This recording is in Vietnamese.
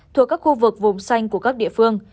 thuộc các khu vực vùng xanh của các địa phương